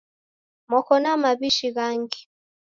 Moko na maw'ishi ghangi?